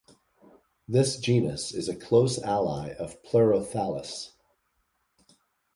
This genus is a close ally of "Pleurothallis".